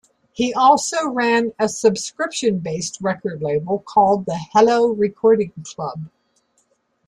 He also ran a subscription-based record label called the Hello Recording Club.